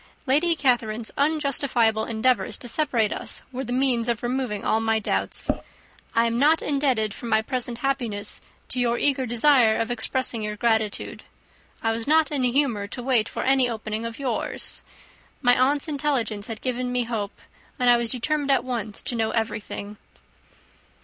Lady Catherine's unjustifiable endeavours to separate us were the means of removing all my doubts. I am not indebted for my present happiness to your eager desire of expressing your gratitude. I was not in a humour to wait for an opening of yours. My aunt's intelligence had given me hope, and I was determined at once to know everything."